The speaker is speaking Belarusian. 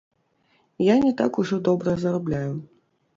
Я не так ужо добра зарабляю.